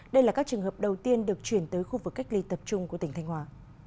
đây là các trường hợp đầu tiên được chuyển tới khu vực cách ly tập trung của tỉnh thanh hóa